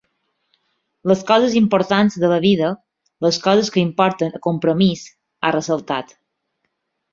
Les coses importants de la vida, les coses que importen a Compromís, ha ressaltat.